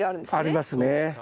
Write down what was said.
ありますね。